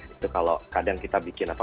itu kalau kadang kita bikin apa